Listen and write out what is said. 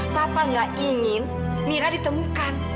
papa gak ingin mira ditemukan